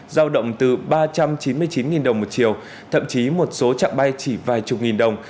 giao động từ ba trăm chín mươi chín đồng một chiều thậm chí một số chặng bay chỉ vài chục nghìn đồng